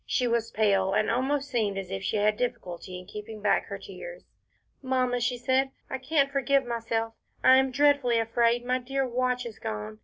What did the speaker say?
She was pale, and almost seemed as if she had difficulty in keeping back her tears. "Mamma," she said, "I can't forgive myself, I am dreadfully afraid my dear watch is gone.